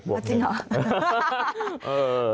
จริงเหรอ